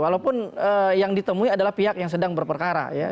walaupun yang ditemui adalah pihak yang sedang berperkara ya